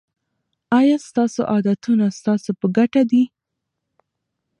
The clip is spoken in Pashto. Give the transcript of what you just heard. آیا ستاسو عادتونه ستاسو په ګټه دي.